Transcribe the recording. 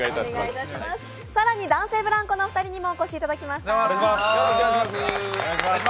更に男性ブランコのお二人にもお越しいただきました。